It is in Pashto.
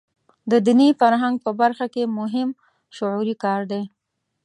د دیني فرهنګ په برخه کې مهم شعوري کار دی.